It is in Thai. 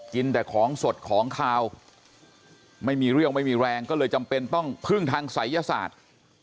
กินแต่ของสดของขาวไม่มีเรี่ยวไม่มีแรงก็เลยจำเป็นต้องพึ่งทางศัยยศาสตร์